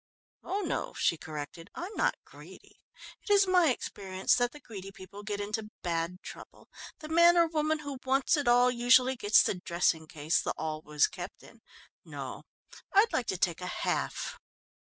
"Oh no," she corrected. "I'm not greedy. It is my experience that the greedy people get into bad trouble. The man or woman who 'wants it all' usually gets the dressing case the 'all' was kept in. No, I'd like to take a half."